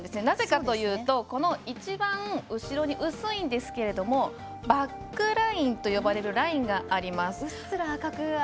なぜかというと、一番後ろに薄いんですけれどもバックラインと呼ばれるラインがあります。